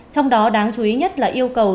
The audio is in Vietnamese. trong đó đáng chú ý nhất là yêu cầu